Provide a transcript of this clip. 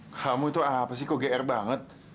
kamu tuh apa sih kok gr banget